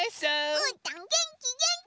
うーたんげんきげんき！